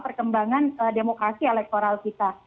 perkembangan demokrasi elektoral kita